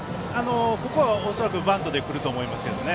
ここは恐らくバントで来ると思いますけどね。